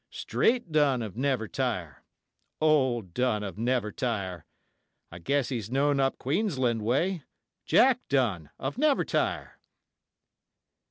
Straight Dunn of Nevertire, Old Dunn of Nevertire; I guess he's known up Queensland way Jack Dunn of Nevertire.'